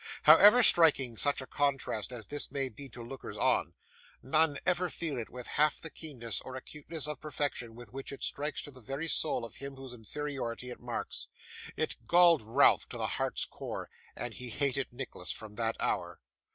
However striking such a contrast as this may be to lookers on, none ever feel it with half the keenness or acuteness of perfection with which it strikes to the very soul of him whose inferiority it marks. It galled Ralph to the heart's core, and he hated Nicholas from that hour.